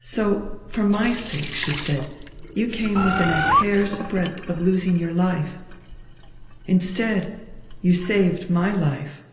"So for my sake," she said, "you came within a hair's breadth of losing your life. Instead, you saved my life."